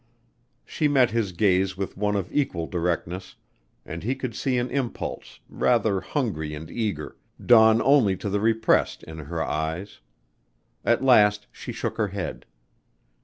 She met his gaze with one of equal directness, and he could see an impulse, rather hungry and eager, dawn only to be repressed in her eyes. At last she shook her head.